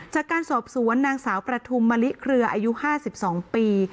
จากการสอบสวนนางสาวประทุมมะลิเครืออายุ๕๒ปี